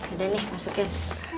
udah nih masukin